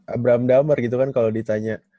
abraham damar gitu kan kalau ditanya